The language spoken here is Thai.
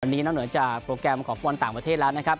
วันนี้นอกเหนือจากโปรแกรมของฟุตบอลต่างประเทศแล้วนะครับ